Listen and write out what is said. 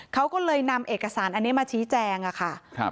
เขาก็เลยนำเอกสารอันนี้มาชี้แจงค่ะ